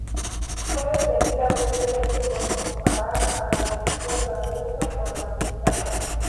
Fue detenida brevemente por comparar a la policía francesa con la Gestapo.